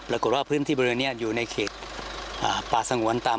และก็ว่าพื้นที่เบอร์เนี่ยอยู่ในเขตอ่าปาสังหวัญตาม